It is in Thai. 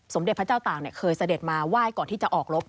เด็จพระเจ้าต่างเคยเสด็จมาไหว้ก่อนที่จะออกรบ